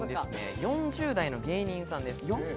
４０代の芸人さんです。